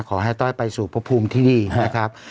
ขอให้ต้อยไปสู่พระภูมิที่นี่นะครับ